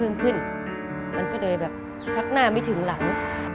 ขึ้นมันก็เลยแบบชักหน้าไม่ถึงหลัง